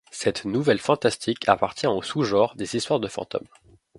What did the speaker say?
Cette nouvelle fantastique appartient au sous-genre des histoires de fantômes.